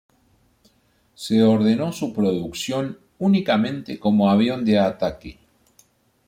Se ordenó su producción únicamente como avión de ataque.